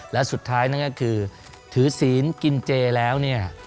และสุดท้ายนั่นก็คือถือศีลกินเจแล้วเนี่ย